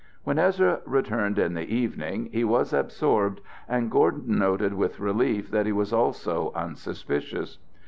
When Ezra returned in the evening he was absorbed, and Gordon noted with relief that he was also unsuspicious.